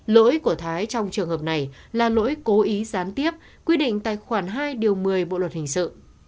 lỗi của thái trong trường hợp này là lỗi cố ý gián tiếp quy định tài khoản hai điều một mươi bộ luật hình sự